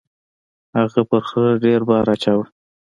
هغه په خره ډیر بار اچاوه.